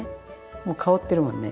もう香ってるもんね。